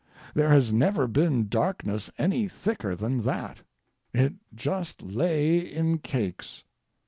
There has never been darkness any thicker than that. It just lay in cakes.